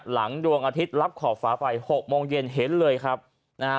ดวงอาทิตย์ลับขอบฟ้าไปหกโมงเย็นเห็นเลยครับนะฮะ